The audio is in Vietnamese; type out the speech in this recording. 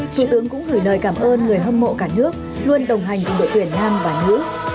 thủ tướng cũng gửi lời cảm ơn người hâm mộ cả nước luôn đồng hành cùng đội tuyển nam và nữ